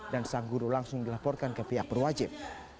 dan sang guru langsung dilaporkan ke pihak berwajib